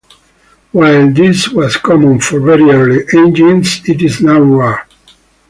While this was common for very early engines it is now rare.